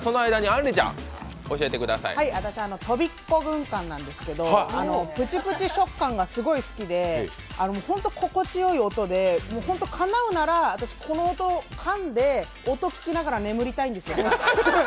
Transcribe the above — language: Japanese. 私、とびこ軍艦なんですけどぷちぷち食感がすごい好きでホント、心地よい音で、かなうならこの音、かんで音聞きながら眠りたいんですよ。